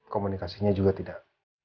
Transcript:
komunikasinya juga tidak